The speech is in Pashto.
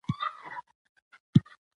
شفتالو د هاضمې سیستم ته ګټور دی.